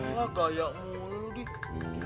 wah kaya mulu dik